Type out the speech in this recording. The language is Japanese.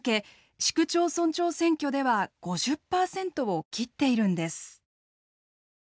市区町村長選挙では５０％を切っているんです。